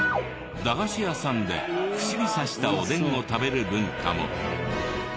駄菓子屋さんで串に刺したおでんを食べる文化も。